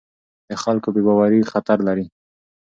د خلکو بې باوري خطر لري